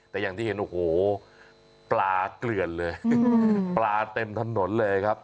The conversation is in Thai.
แต่อย่างที่เห็นโอ้โหปลาเกลือนเลยปลาเต็มถนนเลยครับ